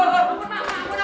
upar amur amur amur